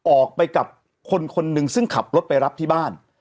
ออกไปกับคนคนหนึ่งซึ่งขับรถไปรับที่บ้าน